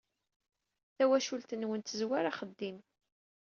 Tawacult-nwen tezwar axeddim.